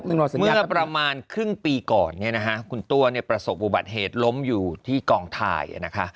เมื่อประมาณครึ่งปีก่อนเนี่ยนะฮะคุณตัวเนี่ยประสบอุบัติเหตุล้มอยู่ที่กองไทยนะฮะ